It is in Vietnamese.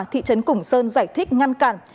thị trấn củng sơn giải thích ngăn cản